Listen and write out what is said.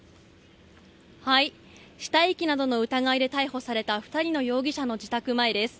死体遺棄などの疑いで逮捕された２人の容疑者の自宅前です。